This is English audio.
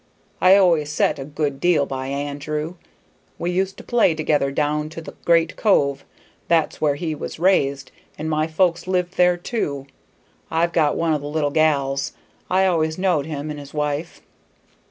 I always set a good deal by Andrew; we used to play together down to the great cove; that's where he was raised, and my folks lived there too. I've got one o' the little gals. I always knowed him and his wife."